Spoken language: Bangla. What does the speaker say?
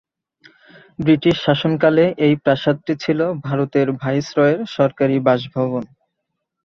ব্রিটিশ শাসনকালে এই প্রাসাদটি ছিল ভারতের ভাইসরয়ের সরকারি বাসভবন।